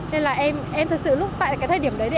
nên là em thật sự lúc tại cái thời điểm đấy thì